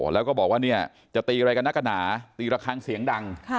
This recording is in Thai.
แล้วก็บอกว่าเนี่ยจะตีไงกันน่ะเกนะอ่ะตีกับครั้งเสียงดังค่ะ